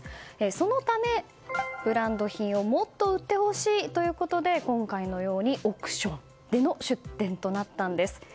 そのため、ブランド品をもっと売ってほしいということで今回のように億ションでの出店となったんです。